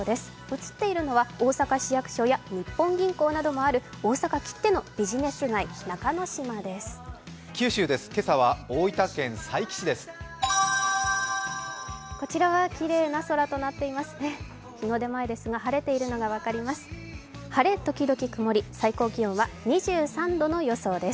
映っているのは大阪市役所や日本銀行などもある大阪切ってのビジネス街、中之島です。